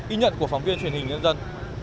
ý nhận của phóng viên truyền hình nhân dân